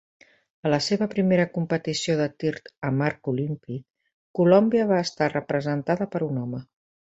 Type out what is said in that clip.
A la seva primera competició de tir amb arc olímpic, Colòmbia va estar representada per un home.